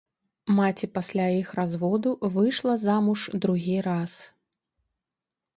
Маці пасля іх разводу выйшла замуж другі раз.